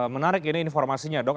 menarik ini informasinya dok